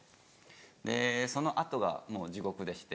でその後がもう地獄でして。